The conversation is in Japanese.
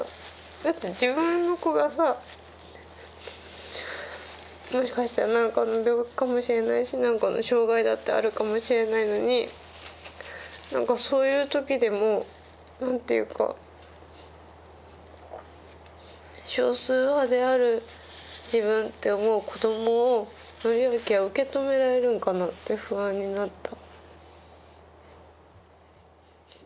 だって自分の子がさもしかしたら何かの病気かもしれないし何かの障害だってあるかもしれないのにそういう時でも何ていうか少数派である自分って思う子どもを敬明は受け止められるのかなって不安になった。